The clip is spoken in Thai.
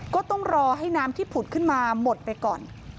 ก็ต้องรอให้น้ำที่ผุดขึ้นมาหมดไปก่อน